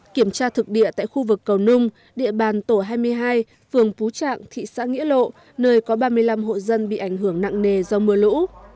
kiểm tra thực địa tại khu vực cầu nung địa bàn tổ hai mươi hai phường phú trạng thị xã nghĩa lộ nơi có ba mươi năm hộ dân bị ảnh hưởng nặng nề do mưa lũ